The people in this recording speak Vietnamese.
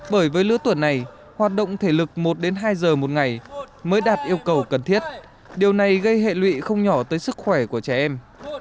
bởi với lứa tuần này hoạt động thể lực một đến hai giờ một ngày mới đạt yêu cầu cần thiết điều này gây hệ lụy không nhỏ tới sức khỏe của trẻ em